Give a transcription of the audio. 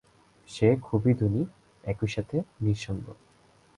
সে খুবই ধনী, একইসাথে নিঃসঙ্গ।